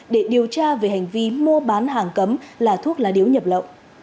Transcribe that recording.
để điều tra về hành vi mua bán hàng cấm là thuốc lá điếu nhập lậu